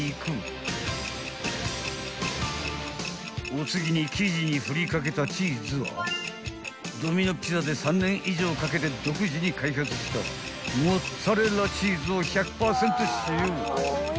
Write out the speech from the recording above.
［お次に生地に振り掛けたチーズはドミノ・ピザで３年以上かけて独自に開発したモッツァレラチーズを１００％使用］